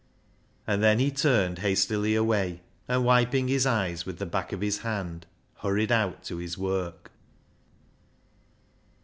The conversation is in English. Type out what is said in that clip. And then he turned hastily away, and wiping his eyes with the back of his hand, hurried out to his work.